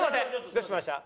どうしました？